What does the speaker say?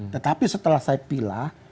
tetapi setelah saya pilih